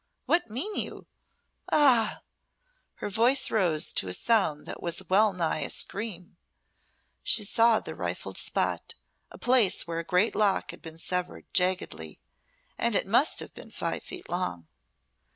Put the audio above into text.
What mean you? Ah h!" Her voice rose to a sound that was well nigh a scream. She saw the rifled spot a place where a great lock had been severed jaggedly and it must have been five feet long.